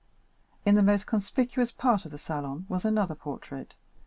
In the most conspicuous part of the salon was another portrait.